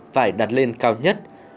phải đặt lên cao nhất